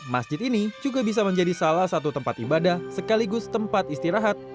masjid ini juga bisa menjadi salah satu tempat ibadah sekaligus tempat istirahat